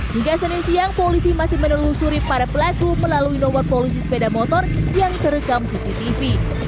hingga senin siang polisi masih menelusuri para pelaku melalui nomor polisi sepeda motor yang terekam cctv